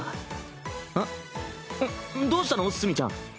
んっどうしたの墨ちゃん？